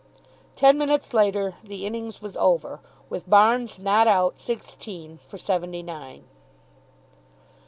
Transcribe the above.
Ten minutes later the innings was over, with Barnes not out sixteen, for seventy nine.